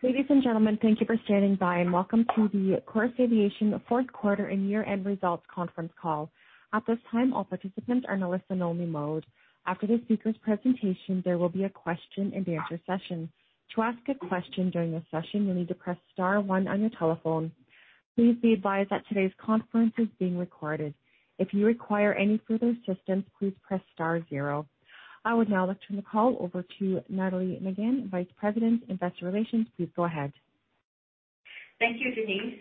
Ladies and gentlemen, thank you for standing by, and welcome to the Chorus Aviation fourth quarter and year-end results conference call. At this time, all participants are in a listen-only mode. After the speaker's presentation, there will be a question-and-answer session. To ask a question during the session, you'll need to press star one on your telephone. Please be advised that today's conference is being recorded. If you require any further assistance, please press star zero. I would now like to turn the call over to Nathalie Megann, Vice President, Investor Relations. Please go ahead. Thank you, Denise.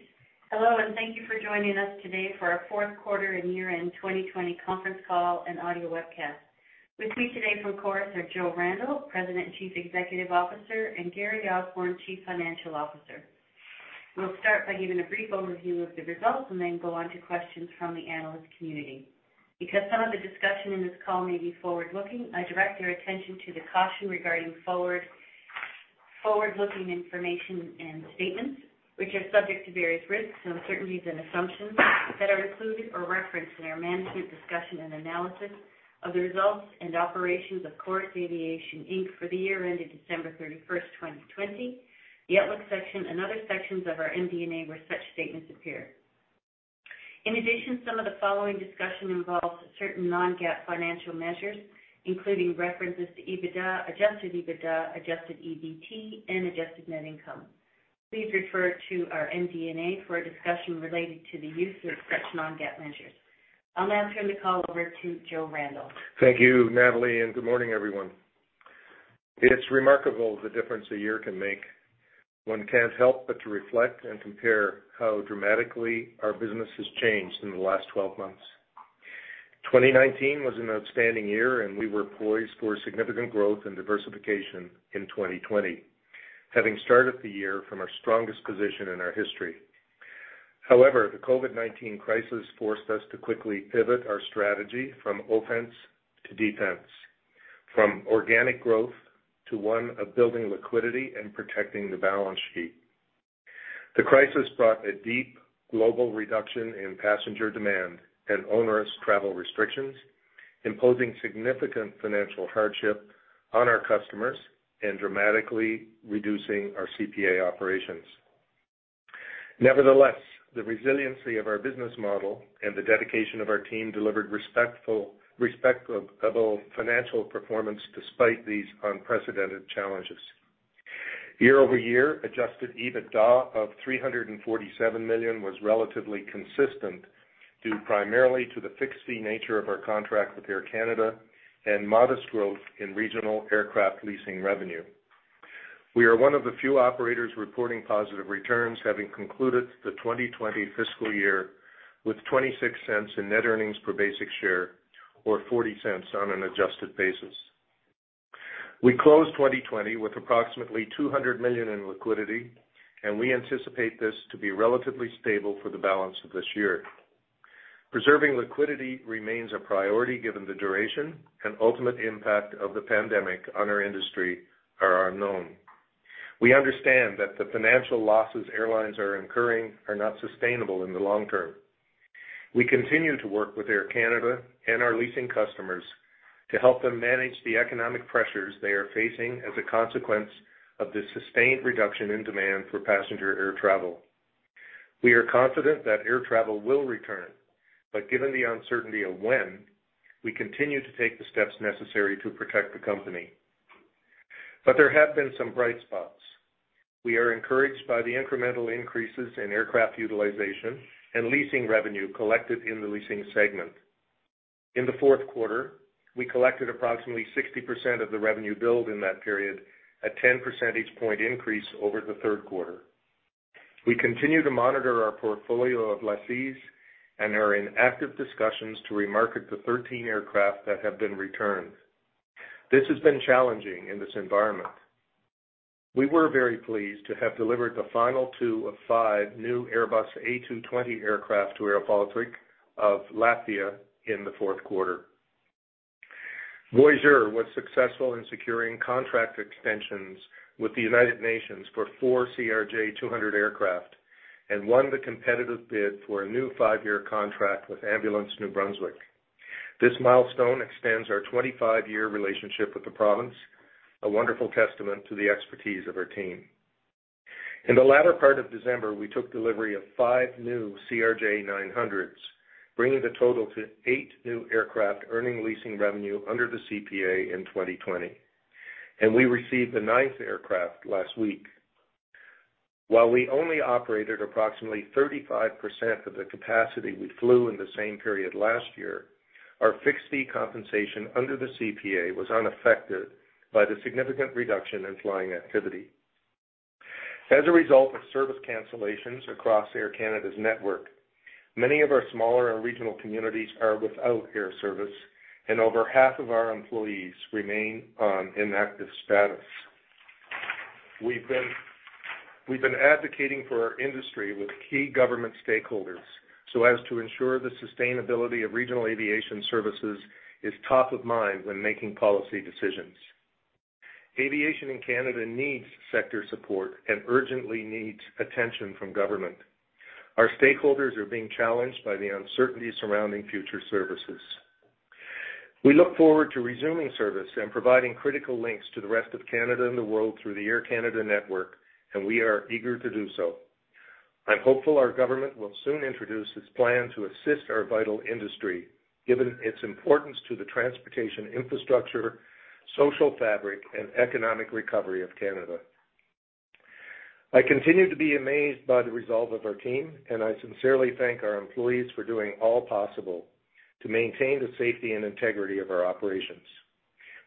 Hello, and thank you for joining us today for our fourth quarter and year-end 2020 conference call and audio webcast. With me today from Chorus are Joe Randell, President and Chief Executive Officer, and Gary Osborne, Chief Financial Officer. We'll start by giving a brief overview of the results and then go on to questions from the analyst community. Because some of the discussion in this call may be forward-looking, I direct your attention to the caution regarding forward, forward-looking information and statements, which are subject to various risks, uncertainties, and assumptions that are included or referenced in our management's discussion and analysis of the results and operations of Chorus Aviation Inc. for the year ended December 31, 2020, the outlook section, and other sections of our MD&A, where such statements appear. In addition, some of the following discussion involves certain non-GAAP financial measures, including references to EBITDA, adjusted EBITDA, adjusted EBT, and adjusted net income. Please refer to our MD&A for a discussion related to the use of such non-GAAP measures. I'll now turn the call over to Joseph Randell. Thank you, Natalie, and good morning, everyone. It's remarkable the difference a year can make. One can't help but to reflect and compare how dramatically our business has changed in the last 12 months. 2019 was an outstanding year, and we were poised for significant growth and diversification in 2020, having started the year from our strongest position in our history. However, the COVID-19 crisis forced us to quickly pivot our strategy from offense to defense, from organic growth to one of building liquidity and protecting the balance sheet. The crisis brought a deep global reduction in passenger demand and onerous travel restrictions, imposing significant financial hardship on our customers and dramatically reducing our CPA operations. Nevertheless, the resiliency of our business model and the dedication of our team delivered respectable financial performance despite these unprecedented challenges. Year-over-year, Adjusted EBITDA of 347 million was relatively consistent, due primarily to the fixed-fee nature of our contract with Air Canada and modest growth in Regional Aircraft Leasing revenue. We are one of the few operators reporting positive returns, having concluded the 2020 fiscal year with 0.26 in net earnings per basic share or 0.40 on an adjusted basis. We closed 2020 with approximately 200 million in liquidity, and we anticipate this to be relatively stable for the balance of this year. Preserving liquidity remains a priority, given the duration and ultimate impact of the pandemic on our industry are unknown. We understand that the financial losses airlines are incurring are not sustainable in the long term. We continue to work with Air Canada and our leasing customers to help them manage the economic pressures they are facing as a consequence of the sustained reduction in demand for passenger air travel. We are confident that air travel will return, but given the uncertainty of when, we continue to take the steps necessary to protect the company. There have been some bright spots. We are encouraged by the incremental increases in aircraft utilization and leasing revenue collected in the leasing segment. In the fourth quarter, we collected approximately 60% of the revenue build in that period, a 10-percentage point increase over the third quarter. We continue to monitor our portfolio of lessees and are in active discussions to remarket the 13 aircraft that have been returned. This has been challenging in this environment. We were very pleased to have delivered the final two of five new Airbus A220 aircraft to airBaltic of Latvia in the fourth quarter. Voyageur was successful in securing contract extensions with the United Nations for 4 CRJ200 aircraft and won the competitive bid for a new 5-year contract with Ambulance New Brunswick. This milestone extends our 25-year relationship with the province, a wonderful testament to the expertise of our team. In the latter part of December, we took delivery of five new CRJ-900s, bringing the total to 8 new aircraft, earning leasing revenue under the CPA in 2020, and we received the 9th aircraft last week. While we only operated approximately 35% of the capacity we flew in the same period last year, our fixed-fee compensation under the CPA was unaffected by the significant reduction in flying activity. As a result of service cancellations across Air Canada's network, many of our smaller and regional communities are without air service, and over half of our employees remain on inactive status. We've been advocating for our industry with key government stakeholders so as to ensure the sustainability of regional aviation services is top of mind when making policy decisions. Aviation in Canada needs sector support and urgently needs attention from government. Our stakeholders are being challenged by the uncertainty surrounding future services.... We look forward to resuming service and providing critical links to the rest of Canada and the world through the Air Canada network, and we are eager to do so. I'm hopeful our government will soon introduce its plan to assist our vital industry, given its importance to the transportation infrastructure, social fabric, and economic recovery of Canada. I continue to be amazed by the resolve of our team, and I sincerely thank our employees for doing all possible to maintain the safety and integrity of our operations.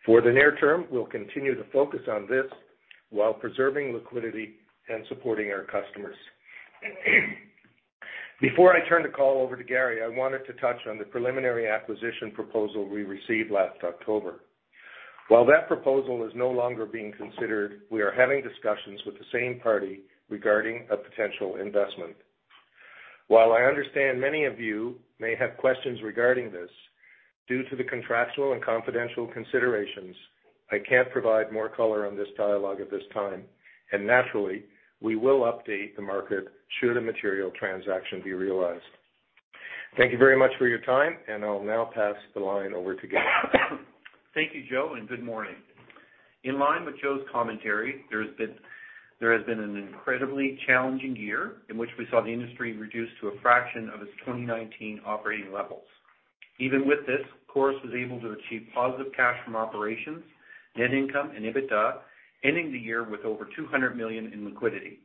For the near term, we'll continue to focus on this while preserving liquidity and supporting our customers. Before I turn the call over to Gary, I wanted to touch on the preliminary acquisition proposal we received last October. While that proposal is no longer being considered, we are having discussions with the same party regarding a potential investment. While I understand many of you may have questions regarding this, due to the contractual and confidential considerations, I can't provide more color on this dialogue at this time, and naturally, we will update the market should a material transaction be realized. Thank you very much for your time, and I'll now pass the line over to Gary. Thank you, Joseph, and good morning. In line with Joe's commentary, there has been an incredibly challenging year in which we saw the industry reduced to a fraction of its 2019 operating levels. Even with this, Chorus was able to achieve positive cash from operations, net income and EBITDA, ending the year with over 200 million in liquidity.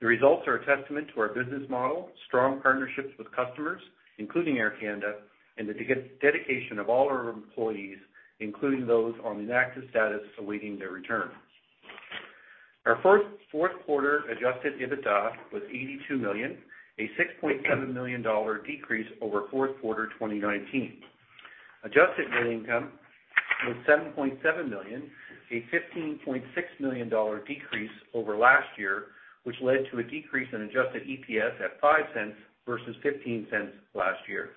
The results are a testament to our business model, strong partnerships with customers, including Air Canada, and the dedication of all our employees, including those on inactive status, awaiting their return. Our fourth quarter adjusted EBITDA was 82 million, a 6.7 million dollar decrease over fourth quarter 2019. Adjusted net income was 7.7 million, a 15.6 million dollar decrease over last year, which led to a decrease in adjusted EPS at 0.05 versus 0.15 last year.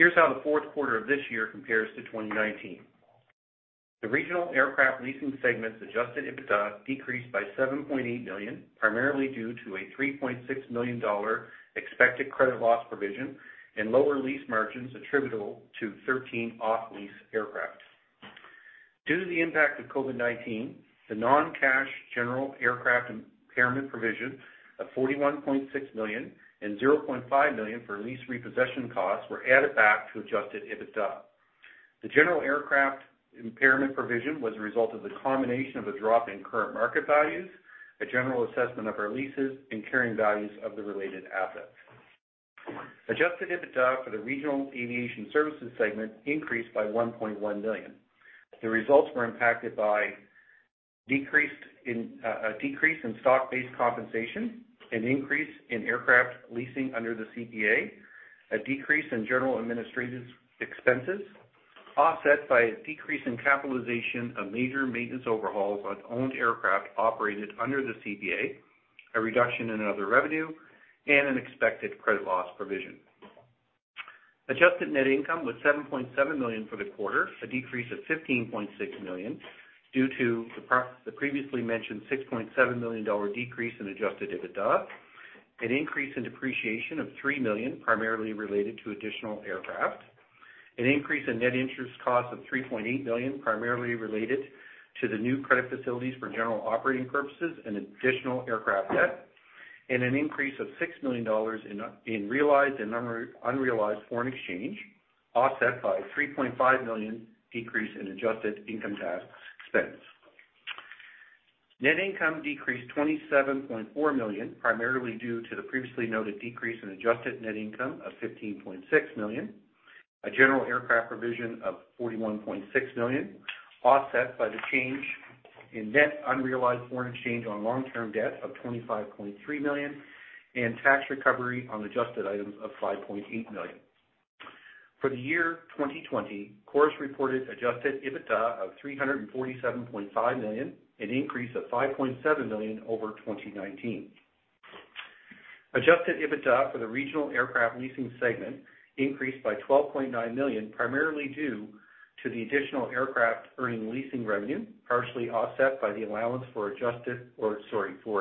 Here's how the fourth quarter of this year compares to 2019. The Regional Aircraft Leasing segment's adjusted EBITDA decreased by 7.8 million, primarily due to a 3.6 million dollar expected credit loss provision and lower lease margins attributable to 13 off-lease aircraft. Due to the impact of COVID-19, the non-cash general aircraft impairment provision of 41.6 million and 0.5 million for lease repossession costs were added back to adjusted EBITDA. The general aircraft impairment provision was a result of the combination of a drop in current market values, a general assessment of our leases and carrying values of the related assets. Adjusted EBITDA for the Regional Aviation Services segment increased by 1.1 million. The results were impacted by a decrease in stock-based compensation, an increase in aircraft leasing under the CPA, a decrease in general administrative expenses, offset by a decrease in capitalization of major maintenance overhauls on owned aircraft operated under the CPA, a reduction in other revenue, and an expected credit loss provision. Adjusted net income was 7.7 million for the quarter, a decrease of 15.6 million due to the previously mentioned 6.7 million dollar decrease in Adjusted EBITDA, an increase in depreciation of 3 million, primarily related to additional aircraft, an increase in net interest costs of 3.8 million, primarily related to the new credit facilities for general operating purposes and additional aircraft debt, and an increase of 6 million dollars in realized and unrealized foreign exchange, offset by 3.5 million decrease in adjusted income tax expense. Net income decreased 27.4 million, primarily due to the previously noted decrease in adjusted net income of 15.6 million, a general aircraft provision of 41.6 million, offset by the change in net unrealized foreign exchange on long-term debt of 25.3 million, and tax recovery on adjusted items of 5.8 million. For the year 2020, Chorus reported adjusted EBITDA of 347.5 million, an increase of 5.7 million over 2019. Adjusted EBITDA for the Regional Aircraft Leasing segment increased by 12.9 million, primarily due to the additional aircraft earning leasing revenue, partially offset by the allowance for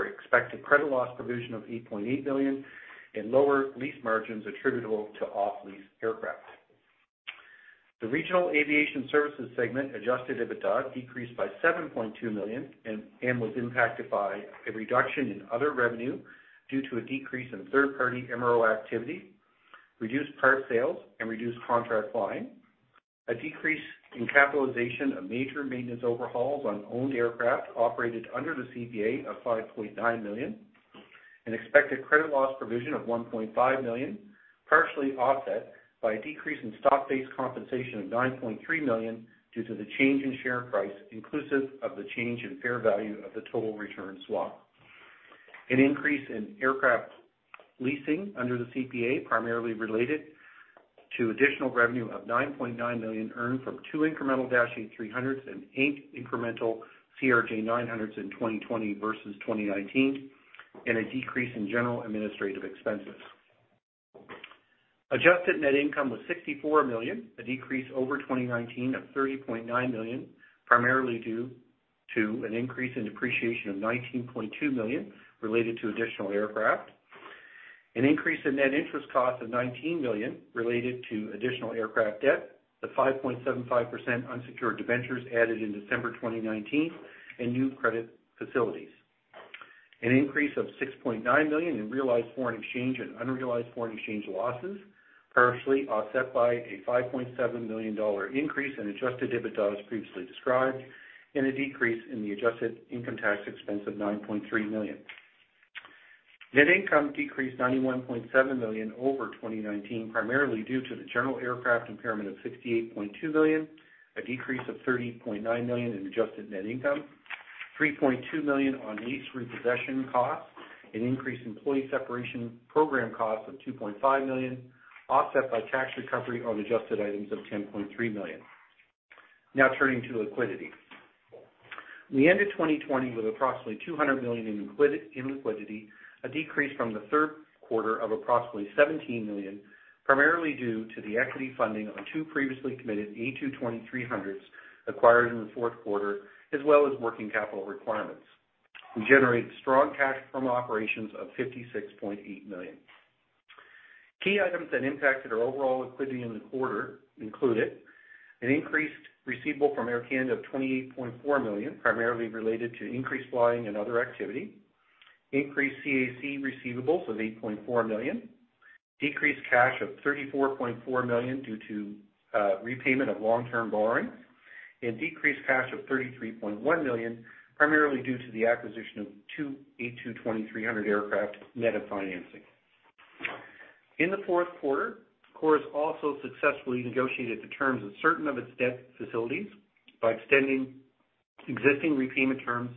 expected credit loss provision of 8.8 million and lower lease margins attributable to off-lease aircraft. The Regional Aviation Services segment Adjusted EBITDA decreased by 7.2 million and was impacted by a reduction in other revenue due to a decrease in third-party MRO activity, reduced part sales, and reduced contract flying, a decrease in capitalization of major maintenance overhauls on owned aircraft operated under the CPA of 5.9 million, an expected credit loss provision of 1.5 million, partially offset by a decrease in stock-based compensation of 9.3 million due to the change in share price, inclusive of the change in fair value of the total return swap. An increase in aircraft leasing under the CPA, primarily related to additional revenue of 9.9 million earned from two incremental Dash 8-300s and eight incremental CRJ-900s in 2020 versus 2019, and a decrease in general administrative expenses. Adjusted Net Income was 64 million, a decrease over 2019 of 30.9 million, primarily due to an increase in depreciation of 19.2 million related to additional aircraft, an increase in net interest cost of 19 million related to additional aircraft debt, the 5.75% unsecured debentures added in December 2019, and new credit facilities. An increase of 6.9 million in realized foreign exchange and unrealized foreign exchange losses, partially offset by a 5.7 million dollar increase in Adjusted EBITDA, as previously described, and a decrease in the adjusted income tax expense of 9.3 million. Net income decreased 91.7 million over 2019, primarily due to the general aircraft impairment of 68.2 million, a decrease of 30.9 million in adjusted net income, 3.2 million on lease repossession costs, an increased employee separation program cost of 2.5 million, offset by tax recovery on adjusted items of 10.3 million. Now turning to liquidity. We ended 2020 with approximately 200 million in liquidity, a decrease from the third quarter of approximately 17 million, primarily due to the equity funding on two previously committed A220-300s acquired in the fourth quarter, as well as working capital requirements. We generated strong cash from operations of 56.8 million. Key items that impacted our overall liquidity in the quarter included an increased receivable from Air Canada of 28.4 million, primarily related to increased flying and other activity; increased CAC receivables of 8.4 million; decreased cash of 34.4 million due to repayment of long-term borrowings; and decreased cash of 33.1 million, primarily due to the acquisition of 2 A220-300 aircraft, net of financing. In the fourth quarter, Chorus also successfully negotiated the terms of certain of its debt facilities by extending existing repayment terms,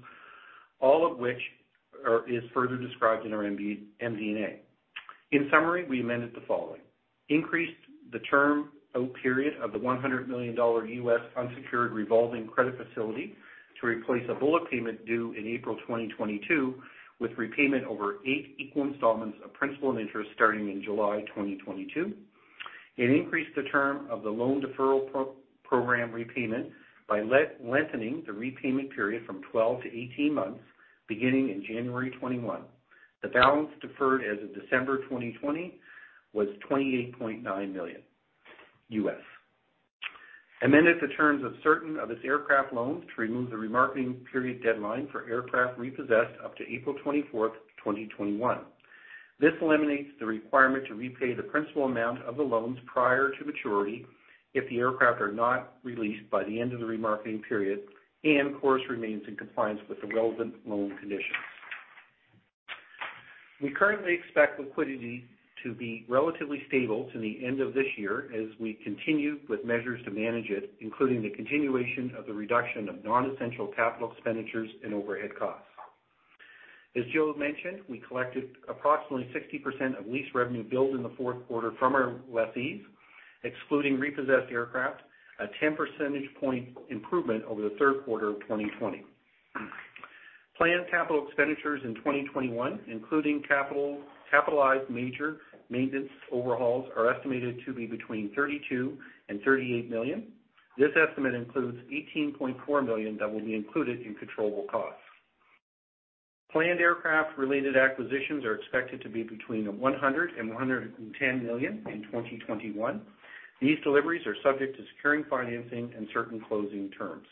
all of which are further described in our MD&A. In summary, we amended the following: increased the term out period of the $100 million unsecured revolving credit facility to replace a bullet payment due in April 2022, with repayment over 8 equal installments of principal and interest starting in July 2022, and increased the term of the loan deferral program repayment by lengthening the repayment period from 12 to 18 months, beginning in January 2021. The balance deferred as of December 2020 was $28.9 million. Amended the terms of certain of its aircraft loans to remove the remarketing period deadline for aircraft repossessed up to April 24, 2021. This eliminates the requirement to repay the principal amount of the loans prior to maturity if the aircraft are not released by the end of the remarketing period, and Chorus remains in compliance with the relevant loan conditions. We currently expect liquidity to be relatively stable to the end of this year as we continue with measures to manage it, including the continuation of the reduction of non-essential capital expenditures and overhead costs. As Joe mentioned, we collected approximately 60% of lease revenue billed in the fourth quarter from our lessees, excluding repossessed aircraft, a 10 percentage point improvement over the third quarter of 2020. Planned capital expenditures in 2021, including capitalized major maintenance overhauls, are estimated to be between 32 million - 38 million. This estimate includes 18.4 million that will be included in controllable costs. Planned aircraft-related acquisitions are expected to be between 100 million- 110 million in 2021. These deliveries are subject to securing financing and certain closing terms.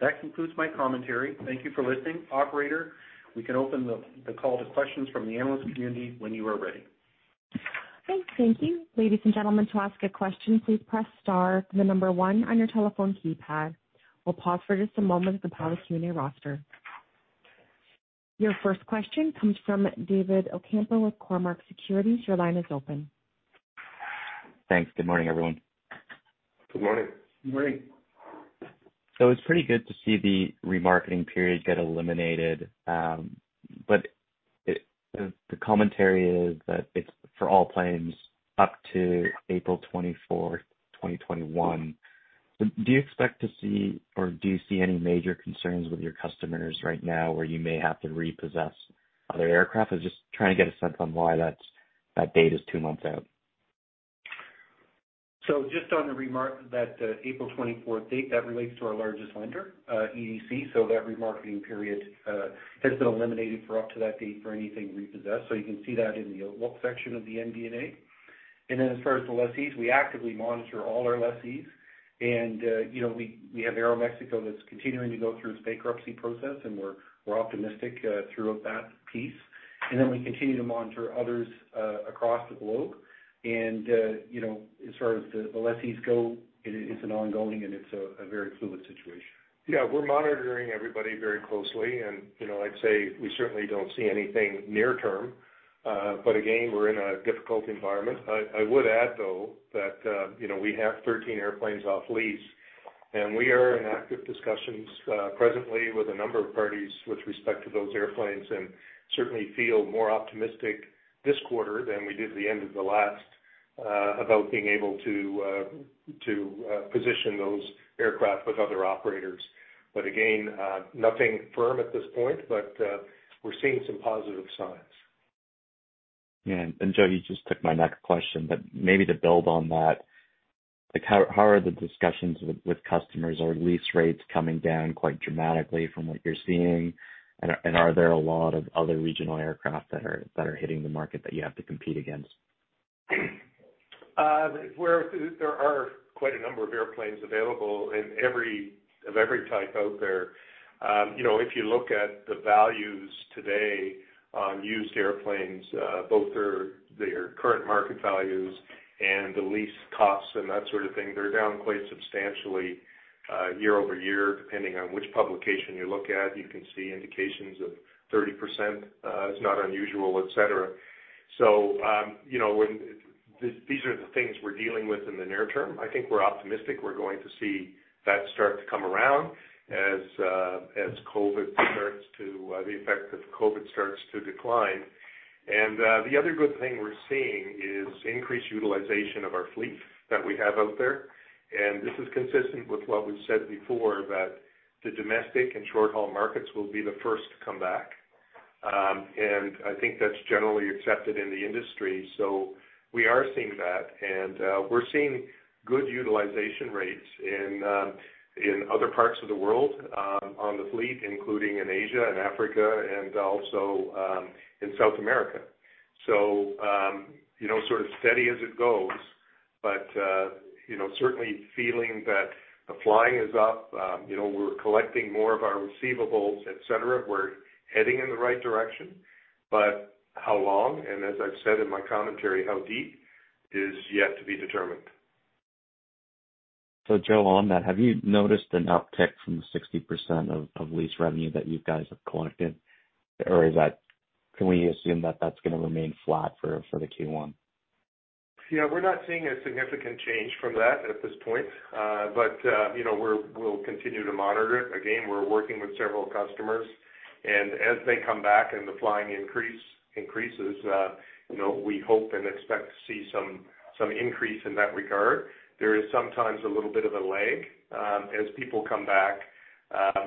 That concludes my commentary. Thank you for listening. Operator, we can open the call to questions from the analyst community when you are ready. Thanks. Thank you. Ladies and gentlemen, to ask a question, please press star then the number one on your telephone keypad. We'll pause for just a moment at the bottom of the Q&A roster. Your first question comes from David Ocampo with Cormark Securities. Your line is open. Thanks. Good morning, everyone. Good morning. Good morning. So it's pretty good to see the remarketing period get eliminated, but the commentary is that it's for all planes up to April 24, 2021. Do you expect to see or do you see any major concerns with your customers right now, where you may have to repossess other aircraft? I was just trying to get a sense on why that date is two months out. So just on the remarketing, that April 24th date, that relates to our largest lender, EDC. So that remarketing period has been eliminated for up to that date for anything repossessed. So you can see that in the outlook section of the MD&A. And then as far as the lessees, we actively monitor all our lessees. And you know, we, we have Aeromexico that's continuing to go through its bankruptcy process, and we're, we're optimistic throughout that piece. And then we continue to monitor others across the globe. And you know, as far as the, the lessees go, it is an ongoing and it's a, a very fluid situation. Yeah, we're monitoring everybody very closely and, you know, I'd say we certainly don't see anything near term, but again, we're in a difficult environment. I would add, though, that, you know, we have 13 airplanes off lease, and we are in active discussions, presently with a number of parties with respect to those airplanes, and certainly feel more optimistic this quarter than we did at the end of the last, about being able to position those aircraft with other operators. But again, nothing firm at this point, but, we're seeing some positive signs. Yeah, and Joseph, you just took my next question, but maybe to build on that. Like, how are the discussions with customers? Are lease rates coming down quite dramatically from what you're seeing? And are there a lot of other regional aircraft that are hitting the market that you have to compete against? Where there are quite a number of airplanes available, and of every type out there, you know, if you look at the values today on used airplanes, both their, their current market values and the lease costs and that sort of thing, they're down quite substantially, year-over-year, depending on which publication you look at. You can see indications of 30%, is not unusual, et cetera. So, you know, these, these are the things we're dealing with in the near term. I think we're optimistic we're going to see that start to come around as, as COVID starts to, the effect of COVID starts to decline. And, the other good thing we're seeing is increased utilization of our fleet that we have out there. This is consistent with what we've said before, that the domestic and short-haul markets will be the first to come back. I think that's generally accepted in the industry. We are seeing that, and we're seeing good utilization rates in other parts of the world on the fleet, including in Asia and Africa and also in South America. You know, sort of steady as it goes, but you know, certainly feeling that the flying is up. You know, we're collecting more of our receivables, et cetera. We're heading in the right direction. How long, and as I've said in my commentary, how deep, is yet to be determined. So, Joseph, on that, have you noticed an uptick from the 60% of, of lease revenue that you guys have collected? Or is that - can we assume that that's going to remain flat for, for the Q1? Yeah, we're not seeing a significant change from that at this point. But, you know, we'll continue to monitor it. Again, we're working with several customers, and as they come back and the flying increases, you know, we hope and expect to see some increase in that regard. There is sometimes a little bit of a lag, as people come back,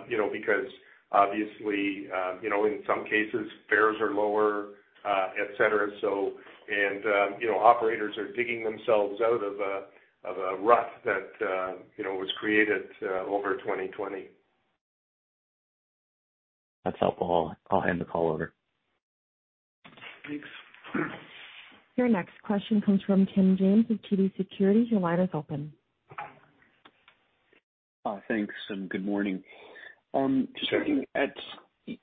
you know, because obviously, in some cases, fares are lower, et cetera. So, and, you know, operators are digging themselves out of a rut that, you know, was created over 2020. That's helpful. I'll hand the call over. Thanks. Your next question comes from Tim James of TD Securities. Your line is open. Thanks, and good morning. Sure. Just looking at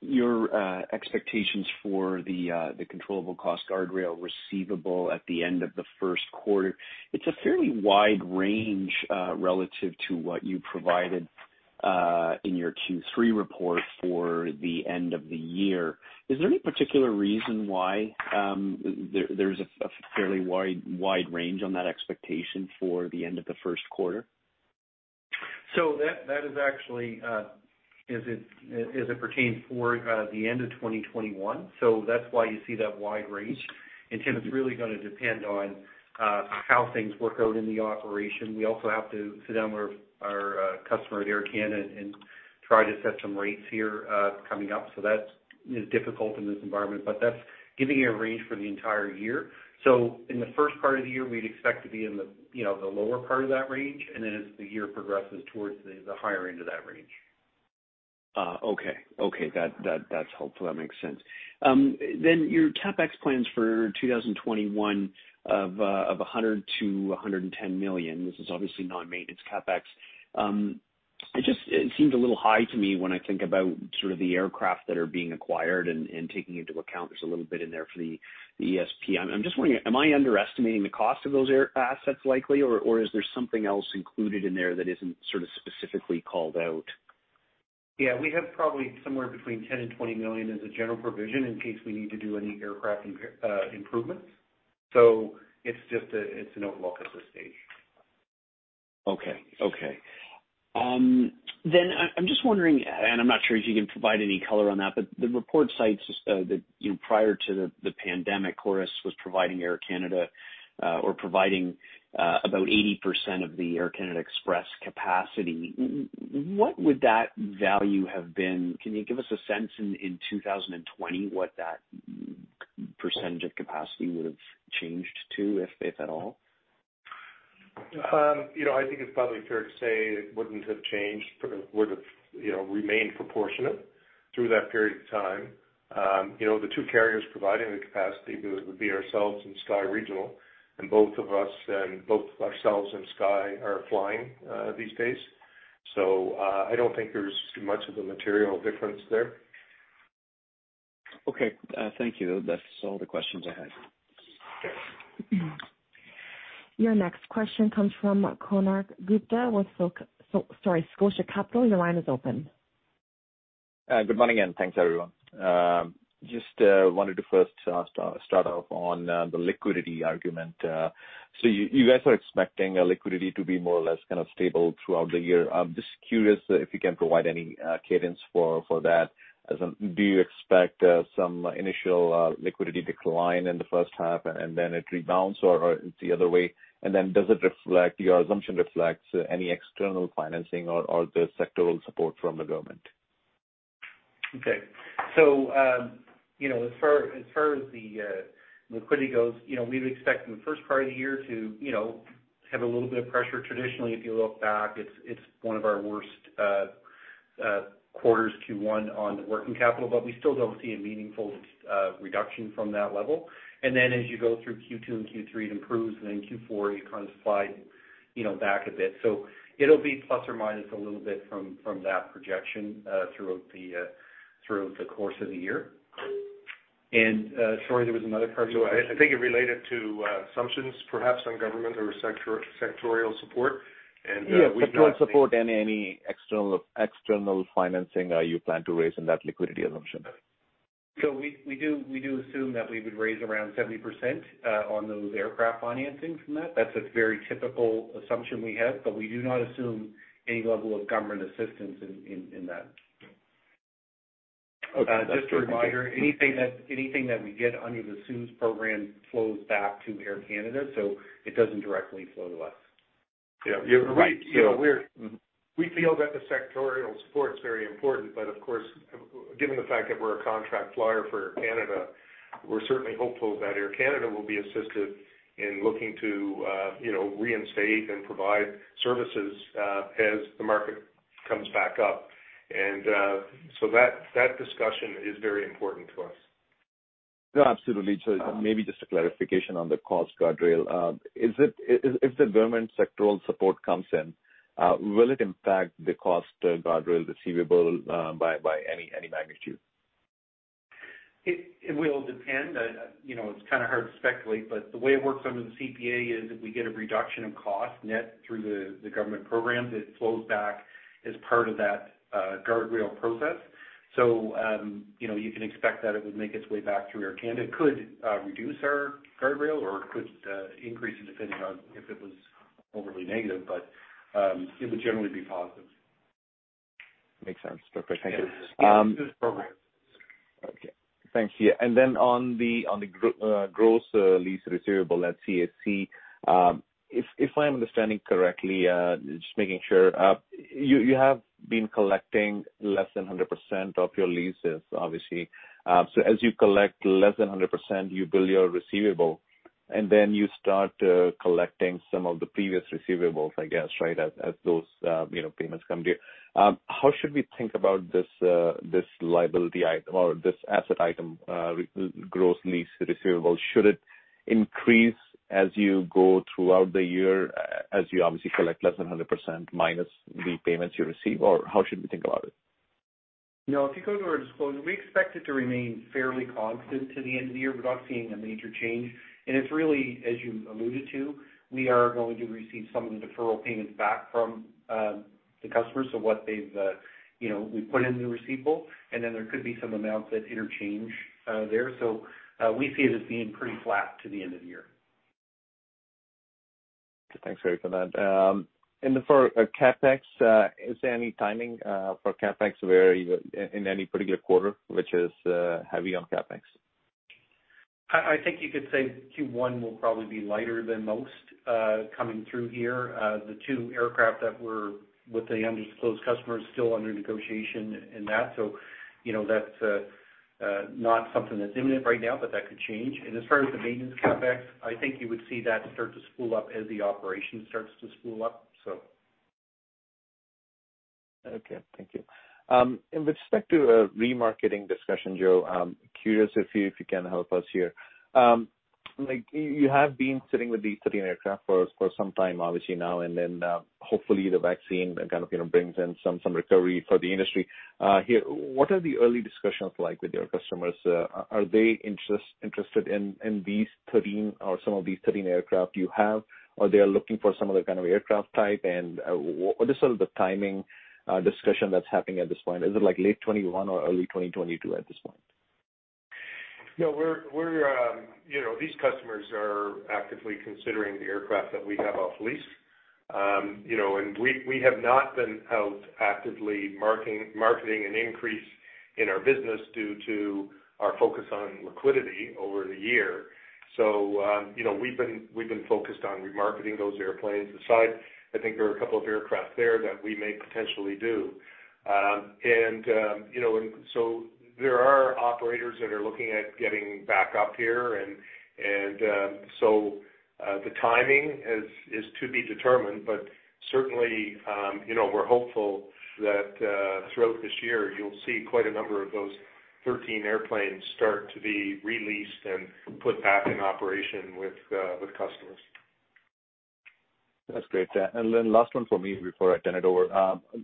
your expectations for the controllable cost guardrail receivable at the end of the first quarter, it's a fairly wide range relative to what you provided in your Q3 report for the end of the year. Is there any particular reason why there's a fairly wide range on that expectation for the end of the first quarter? So that, that is actually, as it, as it pertains for, the end of 2021. So that's why you see that wide range. And Tim, it's really going to depend on, how things work out in the operation. We also have to sit down with our customer at Air Canada and try to set some rates here, coming up. So that's, you know, difficult in this environment, but that's giving you a range for the entire year. So in the first part of the year, we'd expect to be in the, you know, the lower part of that range, and then as the year progresses, towards the, the higher end of that range. Okay. Okay, that, that, that's helpful. That makes sense. Then your CapEx plans for 2021 of 100 million- 110 million, this is obviously non-maintenance CapEx. It just, it seems a little high to me when I think about sort of the aircraft that are being acquired and, and taking into account there's a little bit in there for the, the ESP. I'm, I'm just wondering, am I underestimating the cost of those air assets likely, or, or is there something else included in there that isn't sort of specifically called out? Yeah, we have probably somewhere between 10 million and 20 million as a general provision in case we need to do any aircraft impairment. So it's just a, it's an outlook at this stage. Okay, okay. Then I'm just wondering, and I'm not sure if you can provide any color on that, but the report cites that, you know, prior to the pandemic, Chorus was providing Air Canada or providing about 80% of the Air Canada Express capacity. What would that value have been? Can you give us a sense in 2020, what that percentage of capacity would have changed to, if at all? You know, I think it's probably fair to say it wouldn't have changed, but it would have, you know, remained proportionate through that period of time. You know, the two carriers providing the capacity would, would be ourselves and Sky Regional, and both of us, and both ourselves and Sky are flying these days. So, I don't think there's much of a material difference there. Okay, thank you. That's all the questions I had. Okay. Your next question comes from Konark Gupta with Scotia Capital. Your line is open. Good morning, and thanks, everyone. Just wanted to first start off on the liquidity argument. So you guys are expecting the liquidity to be more or less kind of stable throughout the year. I'm just curious if you can provide any cadence for that. As in, do you expect some initial liquidity decline in the first half, and then it rebounds, or it's the other way? And then does your assumption reflect any external financing or the sectoral support from the government? Okay. So, you know, as far as the liquidity goes, you know, we would expect in the first part of the year to, you know, have a little bit of pressure. Traditionally, if you look back, it's one of our worst quarters, Q1, on working capital, but we still don't see a meaningful reduction from that level. And then as you go through Q2 and Q3, it improves, and then Q4, you kind of slide, you know, back a bit. So it'll be plus or minus a little bit from that projection throughout the course of the year. And sorry, there was another part to it? I think it related to assumptions, perhaps on government or sectoral support, and we've not- Yeah, sectoral support, any external financing you plan to raise in that liquidity assumption? So we assume that we would raise around 70% on those aircraft financings from that. That's a very typical assumption we have, but we do not assume any level of government assistance in that. Okay. Just a reminder, anything that we get under the CEWS program flows back to Air Canada, so it doesn't directly flow to us. Yeah, you're right. So we feel that the sectoral support is very important, but of course, given the fact that we're a contract flyer for Air Canada, we're certainly hopeful that Air Canada will be assisted in looking to, you know, reinstate and provide services, as the market comes back up. And, so that discussion is very important to us. No, absolutely. So maybe just a clarification on the Cost Guardrail. Is it if the government sectoral support comes in, will it impact the Cost Guardrail receivable by any magnitude? It, it will depend. You know, it's kind of hard to speculate, but the way it works under the CPA is if we get a reduction in cost net through the government programs, it flows back as part of that guardrail process. So, you know, you can expect that it would make its way back through Air Canada. It could reduce our guardrail or it could increase it, depending on if it was overly negative, but it would generally be positive. Makes sense. Perfect. Thank you. This program. Okay. Thanks. Yeah, and then on the, on the gross lease receivable at CAC, if I'm understanding correctly, just making sure, you have been collecting less than 100% of your leases, obviously. So as you collect less than 100%, you build your receivable, and then you start collecting some of the previous receivables, I guess, right? As those, you know, payments come due. How should we think about this, this liability item or this asset item, gross lease receivable? Should it increase as you go throughout the year, as you obviously collect less than 100% minus the payments you receive, or how should we think about it? No, if you go to our disclosure, we expect it to remain fairly constant to the end of the year. We're not seeing a major change, and it's really, as you alluded to, we are going to receive some of the deferral payments back from, the customers. So what they've, you know, we put in the receivable, and then there could be some amounts that interchange, there. So, we see it as being pretty flat to the end of the year. Thanks, Harry, for that. And for CapEx, is there any timing for CapEx where you, in any particular quarter, which is heavy on CapEx? I think you could say Q1 will probably be lighter than most coming through here. The two aircraft that were with the undisclosed customer is still under negotiation and that, so, you know, that's not something that's imminent right now, but that could change. And as far as the maintenance CapEx, I think you would see that start to spool up as the operation starts to spool up, so. Okay. Thank you. And with respect to remarketing discussion, Joe, I'm curious if you can help us here. Like, you have been sitting with these 13 aircraft for some time, obviously now and then, hopefully the vaccine kind of, you know, brings in some recovery for the industry. Here, what are the early discussions like with your customers? Are they interested in these 13 or some of these 13 aircraft you have, or they are looking for some other kind of aircraft type? And what is sort of the timing discussion that's happening at this point? Is it like late 2021 or early 2022 at this point? Yeah, we're, you know, these customers are actively considering the aircraft that we have off lease. You know, and we have not been out actively marketing an increase in our business due to our focus on liquidity over the year. So, you know, we've been focused on remarketing those airplanes aside. I think there are a couple of aircraft there that we may potentially do. And, you know, and so there are operators that are looking at getting back up here, and so the timing is to be determined, but certainly, you know, we're hopeful that throughout this year, you'll see quite a number of those 13 airplanes start to be re-leased and put back in operation with customers. That's great. Yeah. And then, last one for me before I turn it over.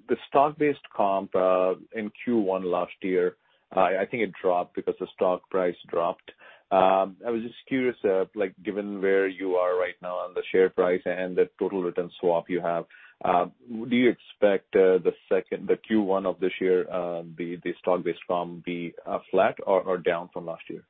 The stock-based comp in Q1 last year, I think it dropped because the stock price dropped. I was just curious, like, given where you are right now on the share price and the total return swap you have, do you expect the Q1 of this year, the stock-based comp be flat or down from last year?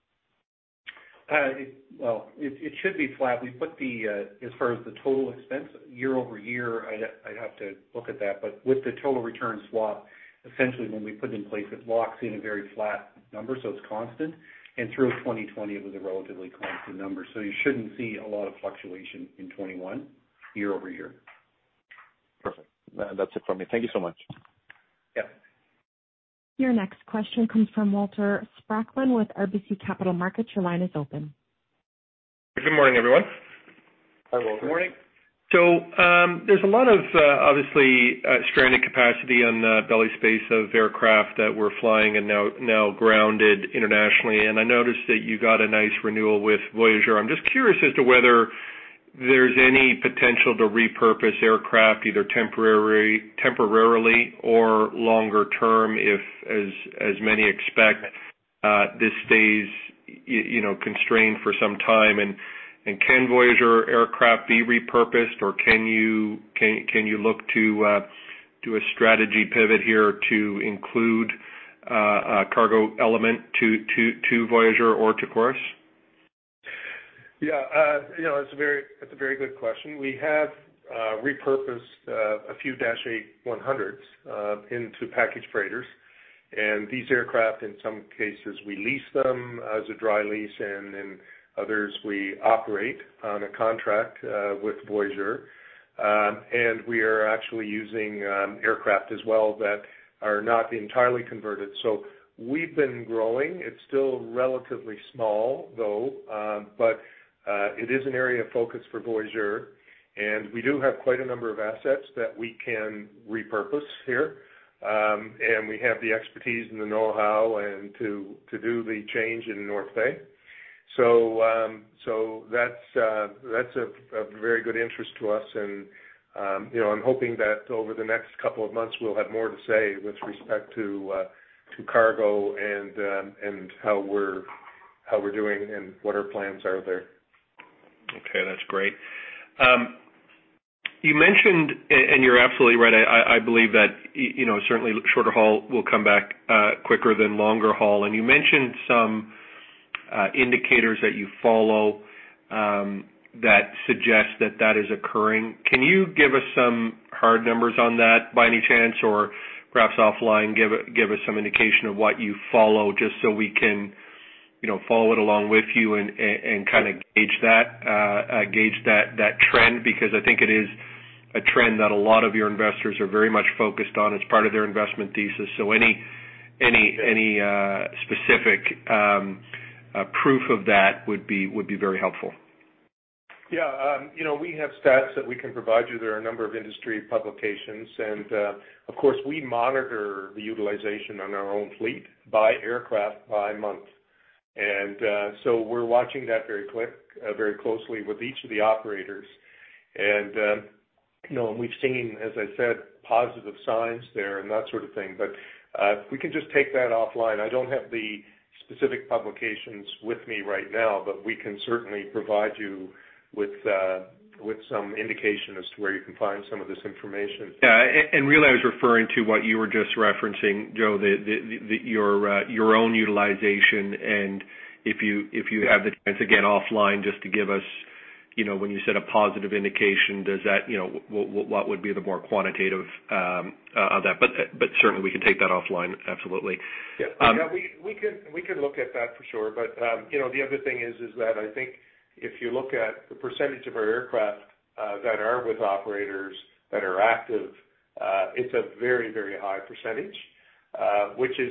Well, it should be flat. As far as the total expense year-over-year, I'd have to look at that, but with the total return swap, essentially, when we put it in place, it locks in a very flat number, so it's constant. And through 2020, it was a relatively constant number, so you shouldn't see a lot of fluctuation in 2021 year-over-year. Perfect. That's it for me. Thank you so much. Yeah. Your next question comes from Walter Spracklin with RBC Capital Markets. Your line is open. Good morning, everyone. Hi, Walter. Good morning. So, there's a lot of, obviously, stranded capacity on the belly space of aircraft that were flying and now grounded internationally, and I noticed that you got a nice renewal with Voyageur. I'm just curious as to whether there's any potential to repurpose aircraft, either temporarily or longer term, if, as many expect, this stays, you know, constrained for some time. And can Voyageur aircraft be repurposed, or can you look to do a strategy pivot here to include a cargo element to Voyageur or to Chorus? Yeah, you know, that's a very, that's a very good question. We have repurposed a few Dash 8-100s into package freighters. And these aircraft, in some cases, we lease them as a dry lease, and then others we operate on a contract with Voyageur. And we are actually using aircraft as well that are not entirely converted. So we've been growing. It's still relatively small, though, but it is an area of focus for Voyageur, and we do have quite a number of assets that we can repurpose here. And we have the expertise and the know-how and to do the change in North Bay. So, that's of very good interest to us, and, you know, I'm hoping that over the next couple of months, we'll have more to say with respect to cargo and how we're doing and what our plans are there. Okay, that's great. You mentioned, and you're absolutely right. I believe that, you know, certainly shorter haul will come back quicker than longer haul. And you mentioned some indicators that you follow that suggest that that is occurring. Can you give us some hard numbers on that, by any chance? Or perhaps offline, give us some indication of what you follow, just so we can, you know, follow it along with you and and kind of gauge that gauge that that trend, because I think it is a trend that a lot of your investors are very much focused on as part of their investment thesis. So any specific proof of that would be very helpful. Yeah, you know, we have stats that we can provide you. There are a number of industry publications, and, of course, we monitor the utilization on our own fleet by aircraft, by month. And, so we're watching that very closely with each of the operators. And, you know, and we've seen, as I said, positive signs there and that sort of thing. But, we can just take that offline. I don't have the specific publications with me right now, but we can certainly provide you with, with some indication as to where you can find some of this information. Yeah, and really, I was referring to what you were just referencing, Joseph, your own utilization, and if you have the chance, again, offline, just to give us, you know, when you said a positive indication, does that, you know, what would be the more quantitative of that? But certainly we can take that offline, absolutely. Yeah. Um- Yeah, we can look at that for sure. But, you know, the other thing is that I think if you look at the percentage of our aircraft that are with operators that are active, it's a very, very high percentage, which is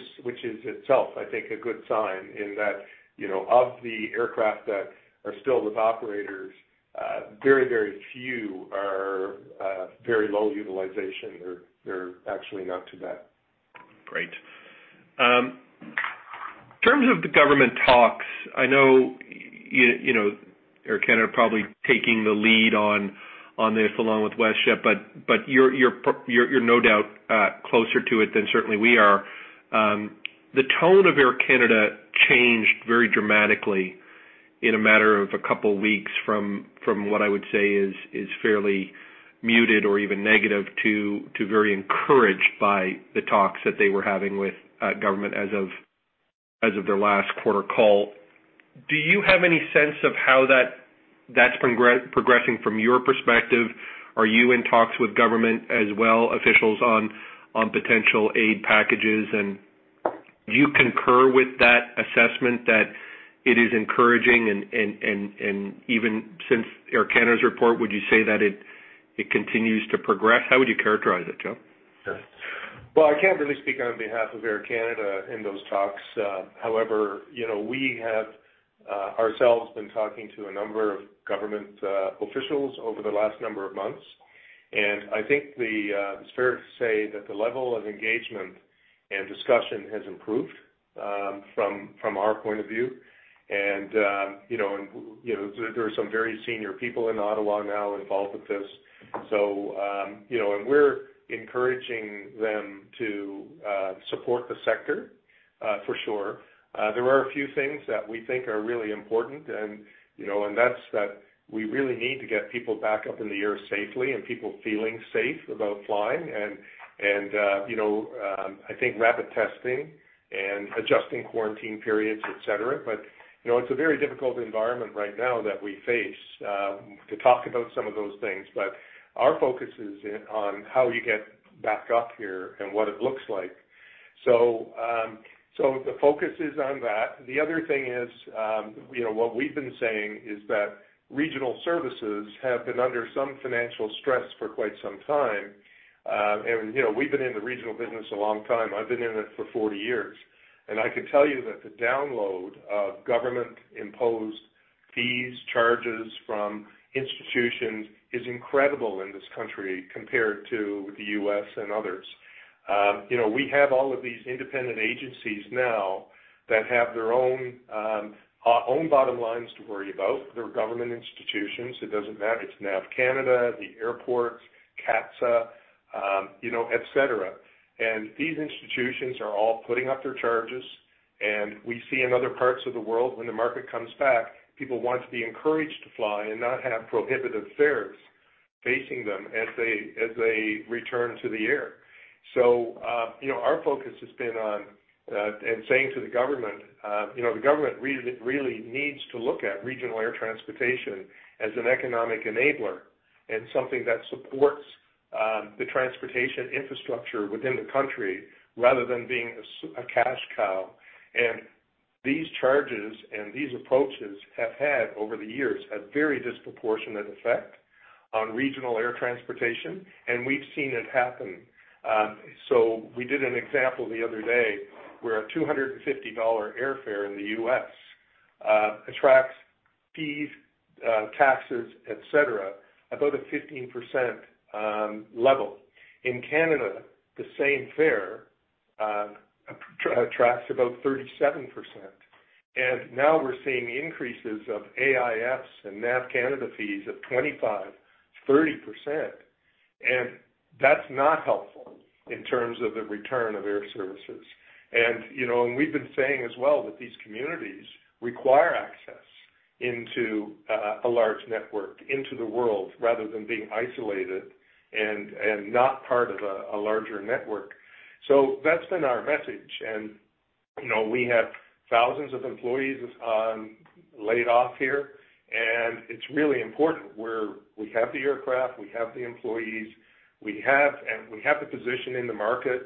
itself, I think, a good sign in that, you know, of the aircraft that are still with operators, very, very few are very low utilization. They're actually not too bad. Great. In terms of the government talks, I know you know, Air Canada probably taking the lead on this, along with WestJet, but you're no doubt closer to it than certainly we are. The tone of Air Canada changed very dramatically in a matter of a couple weeks from what I would say is fairly muted or even negative, to very encouraged by the talks that they were having with government as of their last quarter call. Do you have any sense of how that's progressing from your perspective? Are you in talks with government officials on potential aid packages? And do you concur with that assessment that it is encouraging? And even since Air Canada's report, would you say that it continues to progress? How would you characterize it, Joseph? Sure. Well, I can't really speak on behalf of Air Canada in those talks. However, you know, we have ourselves been talking to a number of government officials over the last number of months, and I think it's fair to say that the level of engagement and discussion has improved from our point of view. And you know, there are some very senior people in Ottawa now involved with this, so you know, we're encouraging them to support the sector for sure. There are a few things that we think are really important and you know, that's that we really need to get people back up in the air safely and people feeling safe about flying. And you know, I think rapid testing and adjusting quarantine periods, et cetera. But, you know, it's a very difficult environment right now that we face, to talk about some of those things. But our focus is in, on how you get back up here and what it looks like. So, the focus is on that. The other thing is, you know, what we've been saying is that regional services have been under some financial stress for quite some time. And, you know, we've been in the regional business a long time. I've been in it for 40 years, and I can tell you that the download of government-imposed fees, charges from institutions is incredible in this country compared to the U.S. and others. You know, we have all of these independent agencies now that have their own bottom lines to worry about. They're government institutions. It doesn't matter. It's Nav Canada, the airports, CATSA, you know, et cetera. These institutions are all putting up their charges, and we see in other parts of the world, when the market comes back, people want to be encouraged to fly and not have prohibitive fares facing them as they, as they return to the air. So, you know, our focus has been on, and saying to the government, you know, the government really, really needs to look at regional air transportation as an economic enabler and something that supports, the transportation infrastructure within the country rather than being a cash cow. These charges and these approaches have had, over the years, a very disproportionate effect on regional air transportation, and we've seen it happen. So we did an example the other day, where a $250 airfare in the US attracts fees, taxes, et cetera, about a 15% level. In Canada, the same fare attracts about 37%. And now we're seeing increases of AIF and Nav Canada fees of 25%-30%, and that's not helpful in terms of the return of air services. And, you know, and we've been saying as well, that these communities require access into a large network, into the world, rather than being isolated and not part of a larger network. So that's been our message. And, you know, we have thousands of employees laid off here, and it's really important, where we have the aircraft, we have the employees, we have, and we have the position in the market.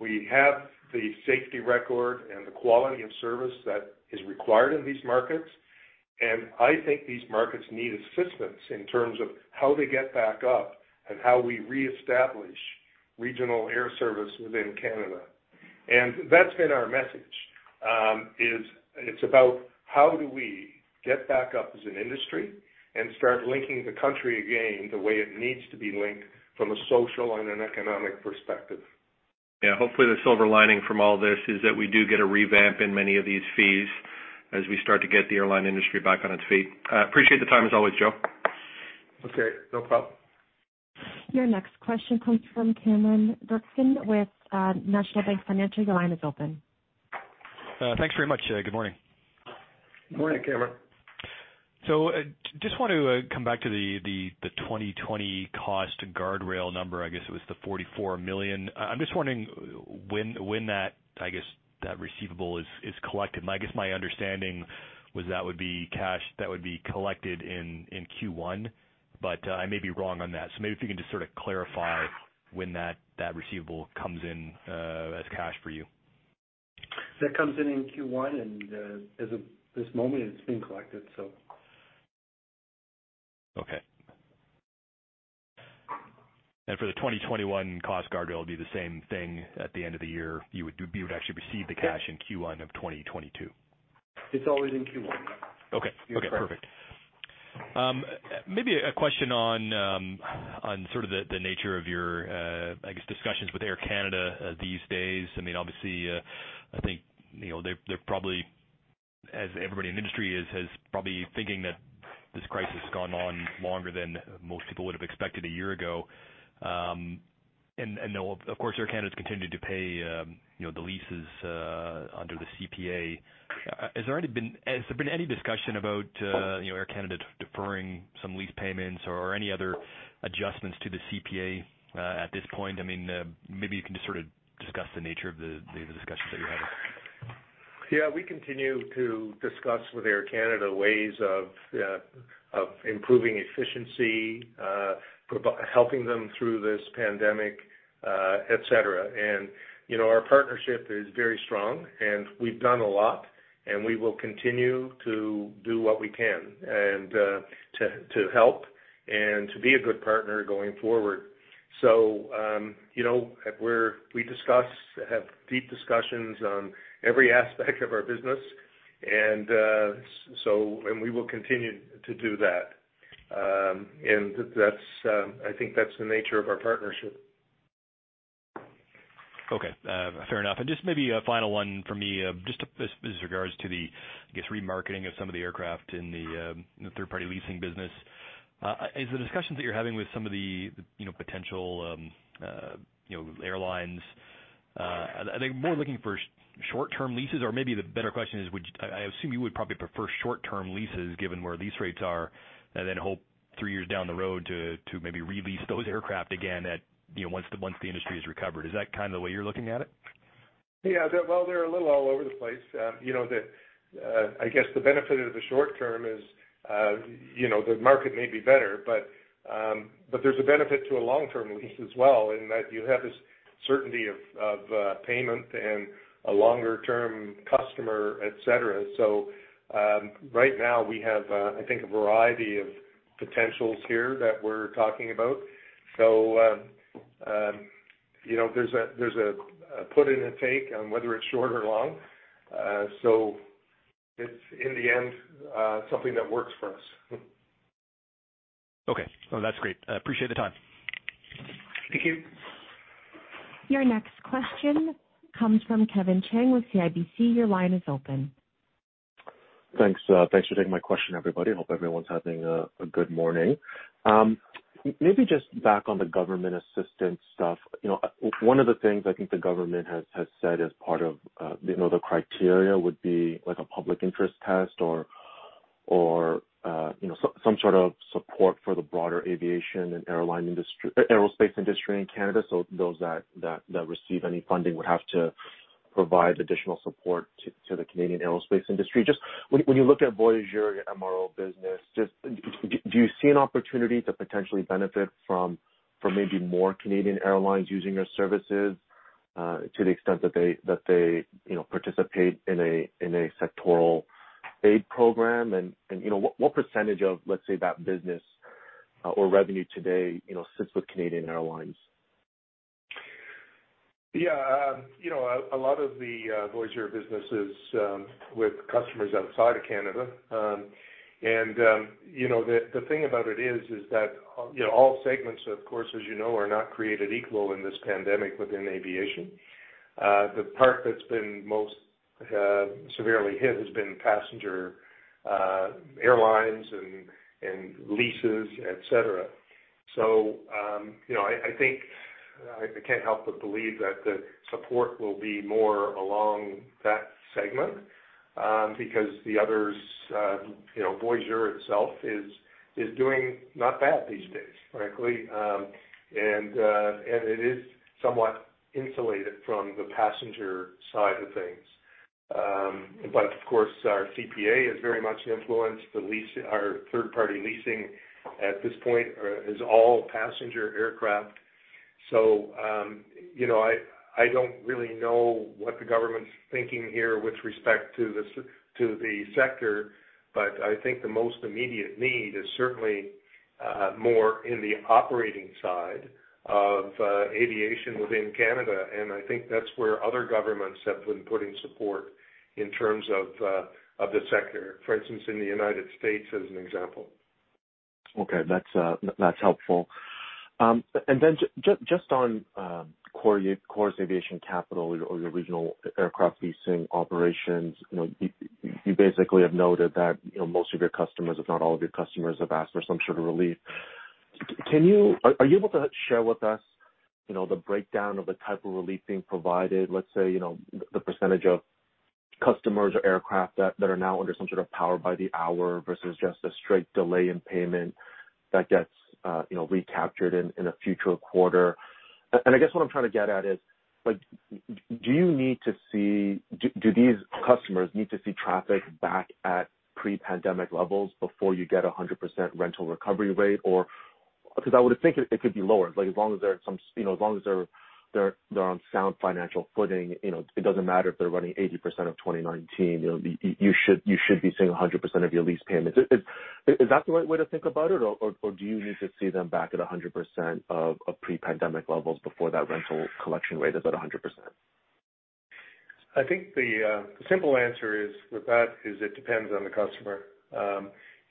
We have the safety record and the quality of service that is required in these markets, and I think these markets need assistance in terms of how they get back up and how we reestablish regional air service within Canada. That's been our message, is it's about how do we get back up as an industry and start linking the country again, the way it needs to be linked from a social and an economic perspective? Yeah, hopefully the silver lining from all this is that we do get a revamp in many of these fees as we start to get the airline industry back on its feet. Appreciate the time, as always, Joseph. Okay, no problem. Your next question comes from Cameron Doerksen with National Bank Financial. Your line is open. Thanks very much. Good morning. Morning, Cameron. So, just want to come back to the 2020 Cost Guardrail number. I guess it was 44 million. I'm just wondering when that receivable is collected. My understanding was that would be cash that would be collected in Q1, but I may be wrong on that. So maybe if you can just sort of clarify when that receivable comes in as cash for you. That comes in Q1, and, as of this moment, it's been collected, so. Okay. For the 2021 Cost Guardrail, it'll be the same thing at the end of the year. You would actually receive the cash in Q1 of 2022? It's always in Q1, yeah. Okay. You're correct. Okay, perfect. Maybe a question on sort of the nature of your discussions with Air Canada these days. I mean, obviously, I think, you know, they're probably, as everybody in the industry is, has probably thinking that this crisis has gone on longer than most people would have expected a year ago. And now, of course, Air Canada's continued to pay, you know, the leases under the CPA. Has there already been - has there been any discussion about, you know, Air Canada deferring some lease payments or any other adjustments to the CPA at this point? I mean, maybe you can just sort of discuss the nature of the discussions that you're having. Yeah, we continue to discuss with Air Canada ways of improving efficiency, helping them through this pandemic, et cetera. And, you know, our partnership is very strong, and we've done a lot, and we will continue to do what we can and to help and to be a good partner going forward. So, you know, at where we discuss, have deep discussions on every aspect of our business, and we will continue to do that. And that's, I think that's the nature of our partnership. Okay. Fair enough. And just maybe a final one for me, just as regards to the, I guess, remarketing of some of the aircraft in the, the third-party leasing business. Is the discussions that you're having with some of the, you know, potential, you know, airlines, are they more looking for short-term leases? Or maybe the better question is, would you... I assume you would probably prefer short-term leases, given where lease rates are, and then hope three years down the road to maybe re-lease those aircraft again at, you know, once the industry is recovered. Is that kind of the way you're looking at it? Yeah, well, they're a little all over the place. You know, I guess the benefit of the short term is, you know, the market may be better, but, but there's a benefit to a long-term lease as well, in that you have this certainty of payment and a longer term customer, et cetera. So, right now, we have, I think, a variety of potentials here that we're talking about. So, you know, there's a put in and take on whether it's short or long. So it's in the end, something that works for us. Okay, well, that's great. I appreciate the time. Thank you. Your next question comes from Kevin Chiang with CIBC. Your line is open. Thanks, thanks for taking my question, everybody. Hope everyone's having a good morning. Maybe just back on the government assistance stuff. You know, one of the things I think the government has said as part of, you know, the criteria would be like a public interest test or, you know, some sort of support for the broader aviation and airline industry - aerospace industry in Canada. So those that receive any funding would have to provide additional support to the Canadian aerospace industry. Just when you look at Voyageur MRO business, just do you see an opportunity to potentially benefit from maybe more Canadian airlines using your services, to the extent that they, you know, participate in a sectoral aid program? You know, what percentage of, let's say, that business or revenue today, you know, sits with Air Canada? Yeah, you know, a lot of the Voyageur businesses with customers outside of Canada. And, you know, the thing about it is that you know, all segments, of course, as you know, are not created equal in this pandemic within aviation. The part that's been most severely hit has been passenger airlines and leases, et cetera. So, you know, I think I can't help but believe that the support will be more along that segment, because the others, you know, Voyageur itself is doing not bad these days, frankly. And it is somewhat insulated from the passenger side of things. But of course, our CPA is very much influenced. The lease—our third-party leasing at this point is all passenger aircraft. So, you know, I don't really know what the government's thinking here with respect to the sector, but I think the most immediate need is certainly more in the operating side of aviation within Canada. And I think that's where other governments have been putting support in terms of the sector, for instance, in the United States, as an example. Okay, that's helpful. And then just on Chorus, Chorus Aviation Capital or your Regional Aircraft Leasing operations, you know, you basically have noted that, you know, most of your customers, if not all of your customers, have asked for some sort of relief. Are you able to share with us, you know, the breakdown of the type of relief being provided? Let's say, you know, the percentage of customers or aircraft that are now under some sort of power by the hour versus just a straight delay in payment that gets, you know, recaptured in a future quarter. And I guess what I'm trying to get at is, like, do you need to see... Do these customers need to see traffic back at pre-pandemic levels before you get a 100% rental recovery rate or—because I would think it could be lower, like, as long as they're, you know, as long as they're on sound financial footing, you know, it doesn't matter if they're running 80% of 2019, you know, you should be seeing 100% of your lease payments. Is that the right way to think about it, or do you need to see them back at 100% of pre-pandemic levels before that rental collection rate is at 100%? I think the simple answer is, with that, is it depends on the customer.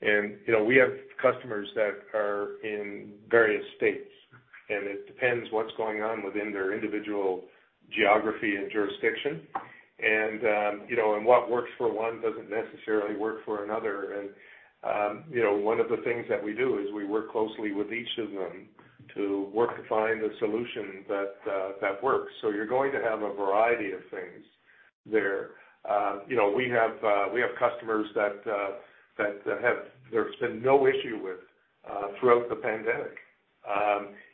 And, you know, we have customers that are in various states, and it depends what's going on within their individual geography and jurisdiction. And, you know, and what works for one doesn't necessarily work for another. And, you know, one of the things that we do is we work closely with each of them to work to find a solution that, that works. So you're going to have a variety of things there. You know, we have customers that have-- there's been no issue with throughout the pandemic,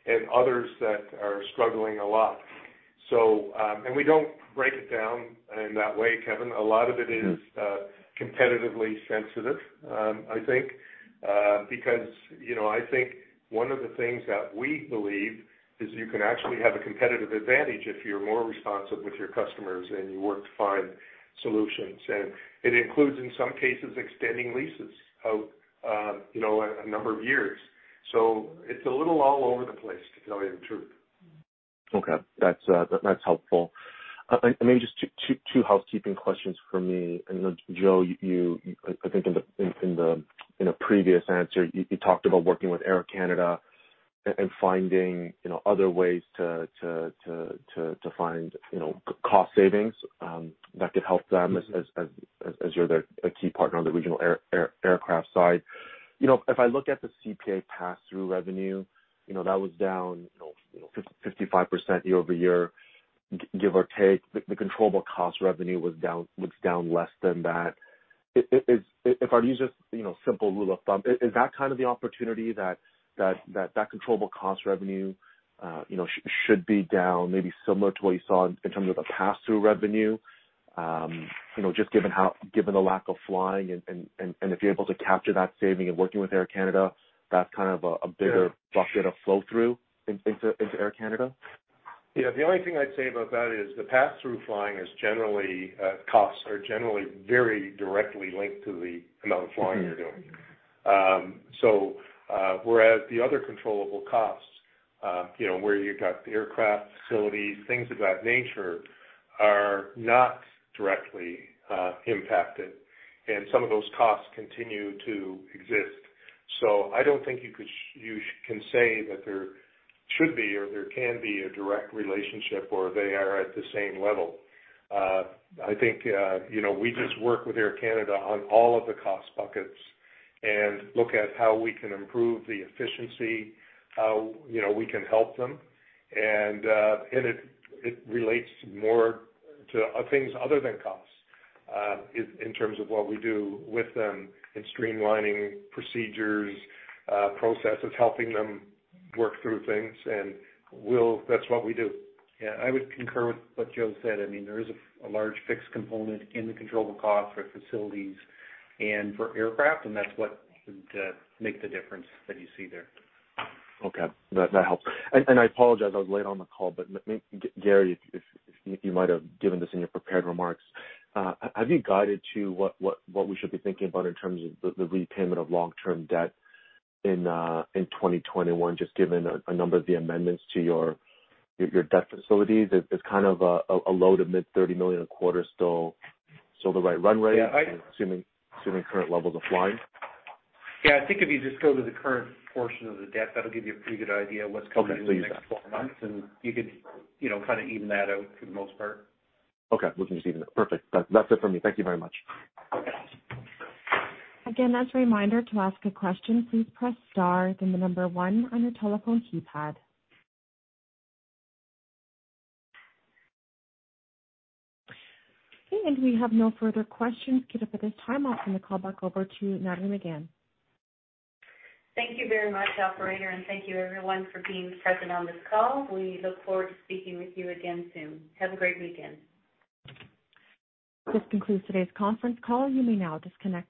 and others that are struggling a lot. So, and we don't break it down in that way, Kevin. Mm-hmm. A lot of it is, competitively sensitive, I think. Because, you know, I think one of the things that we believe is you can actually have a competitive advantage if you're more responsive with your customers and you work to find solutions. And it includes, in some cases, extending leases out, you know, a number of years. So it's a little all over the place, to tell you the truth. Okay. That's helpful. And maybe just two housekeeping questions for me. And Joseph, I think in a previous answer, you talked about working with Air Canada and finding, you know, other ways to find, you know, cost savings that could help them. Mm-hmm... as you're their key partner on the regional aircraft side. You know, if I look at the CPA pass-through revenue, you know, that was down, you know, 55% year over year, give or take. The controllable cost revenue was down less than that. If I use a simple rule of thumb, is that kind of the opportunity that controllable cost revenue should be down, maybe similar to what you saw in terms of the pass-through revenue? You know, just given the lack of flying and if you're able to capture that saving and working with Air Canada, that's kind of a bigger- Yeah Bucket of flow through in, into, into Air Canada? Yeah, the only thing I'd say about that is the pass-through flying is generally, costs are generally very directly linked to the amount of flying you're doing. Mm-hmm. So, whereas the other controllable costs, you know, where you've got the aircraft, facilities, things of that nature, are not directly impacted, and some of those costs continue to exist. So I don't think you could say that there should be or there can be a direct relationship where they are at the same level. I think, you know, we just work with Air Canada on all of the cost buckets and look at how we can improve the efficiency, how, you know, we can help them. And it relates more to things other than costs, in terms of what we do with them in streamlining procedures, processes, helping them work through things, and we'll say that's what we do. Yeah, I would concur with what Joe said. I mean, there is a large fixed component in the controllable cost for facilities and for aircraft, and that's what makes the difference that you see there. Okay, that helps. And I apologize, I was late on the call, but may Gary, if you might have given this in your prepared remarks, have you guided to what we should be thinking about in terms of the repayment of long-term debt in 2021, just given a number of the amendments to your debt facilities? It's kind of a low- to mid-CAD 30 million a quarter still. So the right runway- Yeah, I-... assuming current levels of flying. Yeah, I think if you just go to the current portion of the debt, that'll give you a pretty good idea of what's coming- Okay, please do that. In the next 12 months, and you could, you know, kind of even that out for the most part. Okay, we can just even it. Perfect. That, that's it for me. Thank you very much. Again, as a reminder, to ask a question, please press star then the number one on your telephone keypad. Okay, and we have no further questions. Given at this time, I'll turn the call back over to Nathalie Megann. Thank you very much, operator, and thank you everyone for being present on this call. We look forward to speaking with you again soon. Have a great weekend. This concludes today's conference call. You may now disconnect.